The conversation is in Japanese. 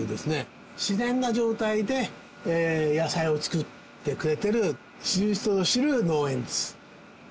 自然な状態で野菜を作ってくれている知る人ぞ知る農園です。